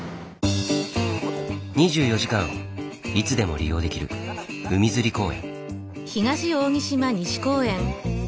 ２４時間いつでも利用できる海釣り公園。